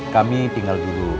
kami tinggal dulu